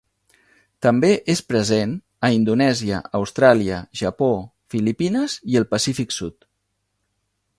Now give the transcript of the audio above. També és present a Indonèsia, Austràlia, Japó, Filipines i el Pacífic sud.